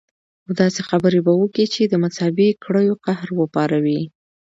خو داسې خبرې به وکي چې د مذهبي کړيو قهر وپاروي.